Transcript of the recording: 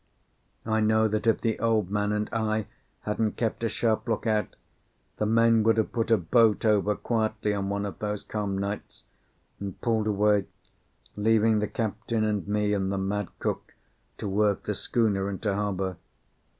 I know that if the Old Man and I hadn't kept a sharp lookout, the men would have put a boat over quietly on one of those calm nights, and pulled away, leaving the captain and me and the mad cook to work the schooner into harbour.